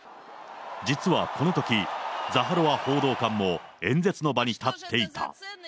実はこのとき、ザハロワ報道官も演説の場に立っていた。